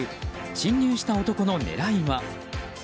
侵入した男の狙いは？